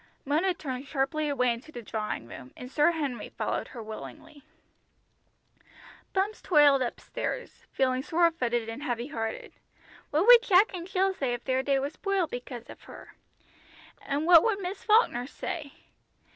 Mona turned sharply away into the drawing room, and Sir Henry followed her willingly. Bumps toiled up stairs, feeling sore footed and heavy hearted. What would Jack and Jill say if their day was spoilt because of her? And what would Miss Falkner say?